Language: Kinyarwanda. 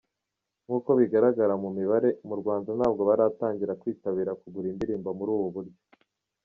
Nkuko bigaragara mu mibare, mu Rwanda ntabwo baratangira kwitabira kugura indirimbo muri ubu buryo.